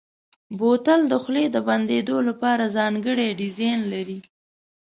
بوتل د خولې د بندېدو لپاره ځانګړی ډیزاین لري.